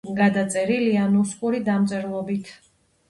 გადაწერილია ნუსხური დამწერლობით.